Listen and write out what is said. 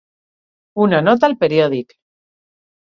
Una nota al periòdic.